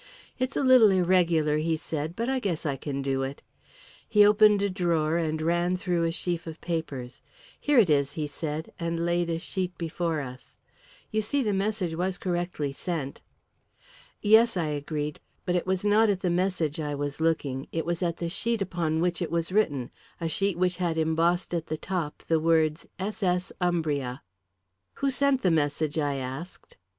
"It's a little irregular," he said; "but I guess I can do it." He opened a drawer, and ran through a sheaf of papers. "Here it is," he said, and laid a sheet before us. "You see the message was correctly sent." "Yes," I agreed; but it was not at the message I was looking; it was at the sheet upon which it was written a sheet which had embossed at the top the words "S. S. Umbria." "Who sent the message?" I asked.